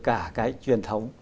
cả cái truyền thống